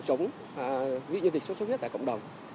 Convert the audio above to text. để mà chống dịch sốt xuất huyết tại cộng đồng